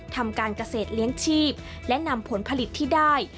ทำการเกษตรเลี้ยงชีพและนำผลผลิตที่ได้